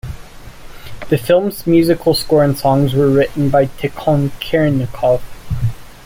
The film's musical score and songs were written by Tikhon Khrennikov.